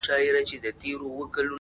• چي مازیګر په ښایسته کیږي,